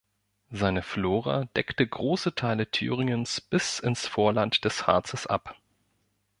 Seine Flora deckte große Teile Thüringens bis ins Vorland des Harzes ab.